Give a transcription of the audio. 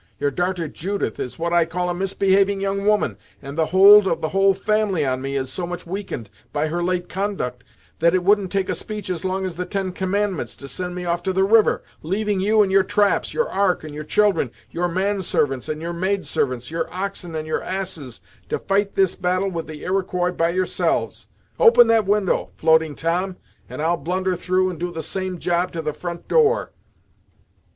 Your darter Judith is what I call a misbehaving young woman, and the hold of the whole family on me is so much weakened by her late conduct, that it wouldn't take a speech as long as the ten commandments to send me off to the river, leaving you and your traps, your Ark and your children, your man servants and your maid servants, your oxen and your asses, to fight this battle with the Iroquois by yourselves. Open that window, Floating Tom, and I'll blunder through and do the same job to the front door."